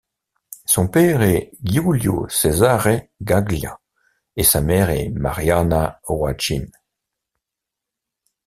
Son père est Giulio-Cesare Quaglia, et sa mère est Marianna Rouachin.